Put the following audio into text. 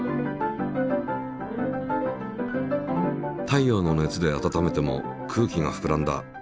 太陽の熱で温めても空気がふくらんだ。